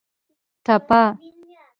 ټپه